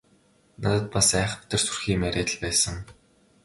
Надад бас айхавтар сүрхий юм яриад л байсан.